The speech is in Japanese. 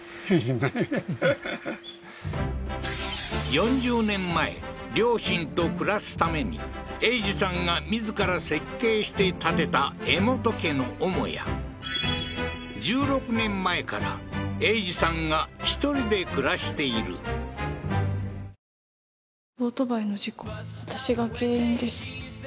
４０年前両親と暮らすために栄治さんが自ら設計して建てた江本家の母屋１６年前から栄治さんが１人で暮らしている・ミィンミンきたきたきたきたきた！